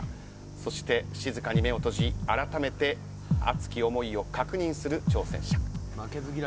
そして静かに目を閉じあらためて熱き思いを確認する挑戦者。